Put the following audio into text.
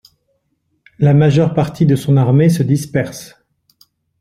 La majeure partie de son armée se disperse.